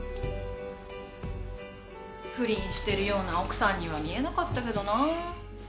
不倫してるような奥さんには見えなかったけどな。